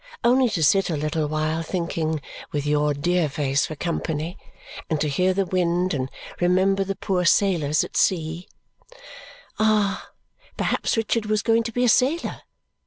Only to sit a little while thinking, with your dear face for company, and to hear the wind and remember the poor sailors at sea " Ah! Perhaps Richard was going to be a sailor.